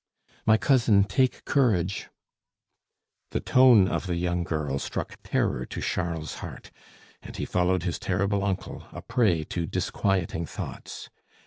"My cousin, take courage!" The tone of the young girl struck terror to Charles's heart, and he followed his terrible uncle, a prey to disquieting thoughts.